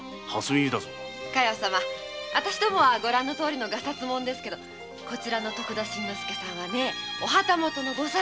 あたしどもはご覧のとおりのガサツ者ですけどこちらの徳田新之助さんはお旗本のご三男でね。